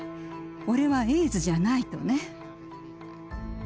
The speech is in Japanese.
俺はエイズじゃない」とね。